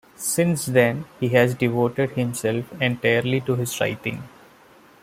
Since then, he has devoted himself entirely to his writing.